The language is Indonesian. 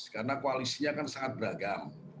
karena koalisinya kan sangat beragam